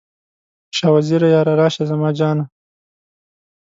شاه وزیره یاره، راشه زما جانه؟